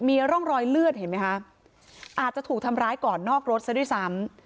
มีร่องรอยเลือดเห็นไหมคะอาจจะถูกทำร้ายก่อนนอกรถซะด้วยซ้ำ